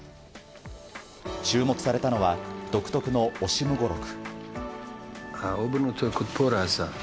注目されたのは独特のオシム語録。